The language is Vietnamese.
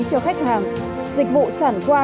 cho khách hàng dịch vụ sản qua